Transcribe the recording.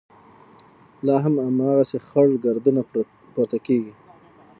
لا هم هماغسې خړ ګردونه پورته کېږي.